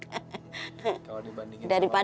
tapi kalau mau makan harus makan